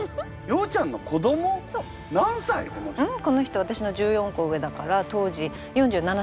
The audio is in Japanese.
この人私の１４個上だから当時４７歳くらい？